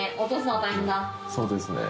そうですね。